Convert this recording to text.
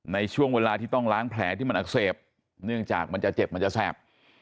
ในช่วงเวลาที่ต้องล้างแผลที่มันอักเสบเนื่องจากมันจะเจ็บมันจะแสบ